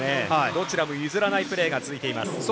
どちらも譲らないプレーが続いています。